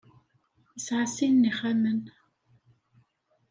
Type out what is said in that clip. Yesɛa sin n yixxamen.